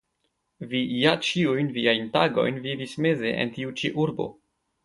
Vi ja ĉiujn viajn tagojn vivis meze en tiu ĉi urbo.